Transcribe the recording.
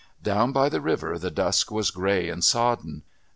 Down by the river the dusk was grey and sodden.